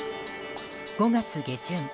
５月下旬